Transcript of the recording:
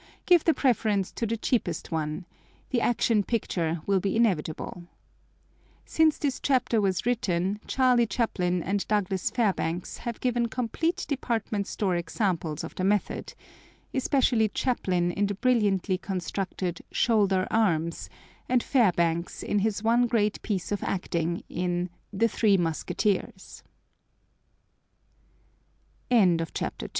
Give the preference to the cheapest one. _The Action Picture will be inevitable. Since this chapter was written, Charlie Chaplin and Douglas Fairbanks have given complete department store examples of the method, especially Chaplin in the brilliantly constructed Shoulder Arms, and Fairbanks in his one great piece of acting, in The Three Musketeers_. CHAPTER III THE INTI